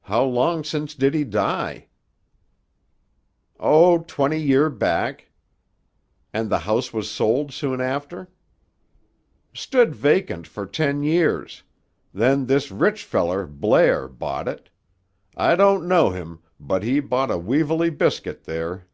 "How long since did he die?" "Oh, twenty year back." "And the house was sold soon after?" "Stood vacant for ten years. Then this rich feller, Blair, bought it. I don't know him; but he bought a weevilly biscuit, there.